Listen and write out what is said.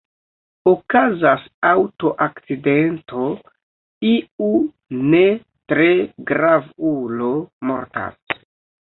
Okazas aŭtoakcidento, iu ne-tre-grav-ulo mortas.